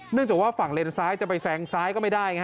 เนื่องจากว่าฝั่งเลนส์ซ้ายจะไปแสงซ้ายก็ไม่ได้